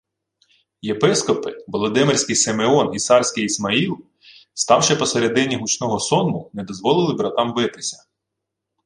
Єпископи, Володимирський Симеон і Сарський Ісмаїл, ставши посередині гучного сонму, не дозволили братам битися